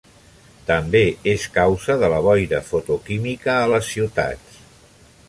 També és causa de la boira fotoquímica a les ciutats.